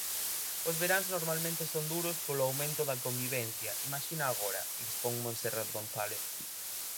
"Os veráns normalmente son duros polo aumento da convivencia, imaxina agora", expón Montserrat González.